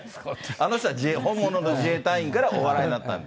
あの人は本物の自衛隊員からお笑いになったの。